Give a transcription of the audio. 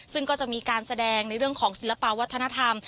ซึ่งก็จะมีการแสดงในเรื่องของศิลปะวัฒนธรรม